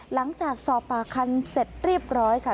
หลังจากสอบปากคำเสร็จเรียบร้อยค่ะ